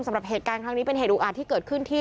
สำหรับเหตุการณ์ครั้งนี้เป็นเหตุอุอาจที่เกิดขึ้นที่